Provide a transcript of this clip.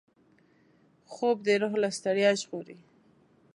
خوب د روح له ستړیا ژغوري